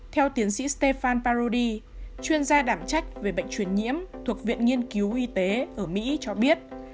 theo tiến sĩ stefan paudi chuyên gia đảm trách về bệnh truyền nhiễm thuộc viện nghiên cứu y tế ở mỹ cho biết